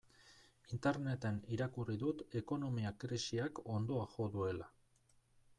Interneten irakurri dut ekonomia krisiak hondoa jo duela.